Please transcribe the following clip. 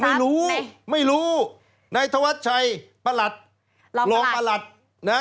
ไม่รู้ไม่รู้นายธวัชชัยประหลัดรองประหลัดนะฮะ